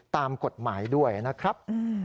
ตามกฎหมายด้วยนะครับ